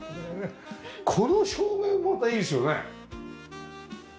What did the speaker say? この照明もまたいいですよね。